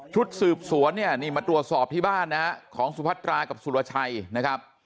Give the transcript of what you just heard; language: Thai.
ชุดสืบสวนเนี่ยนี่มาตรวจสอบที่บ้านนะฮะของสุพัตรากับสุรชัยนะครับ